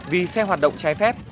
vì xe hoạt động trái phép